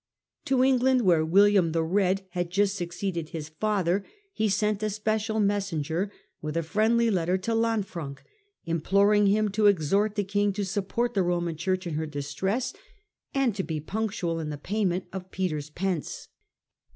To England, where William the Bed had just succeeded his father, he sent a special messenger, with a friendly letter to Lanfranc, imploring him to exhort the king to support the Roman Church in her distress, and to be punctual in the payment of Peter's pence.